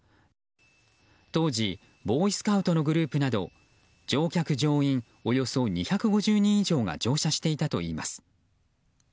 当時ボーイスカウトのグループなど乗客・乗員およそ２５０人以上が乗車していたといいます。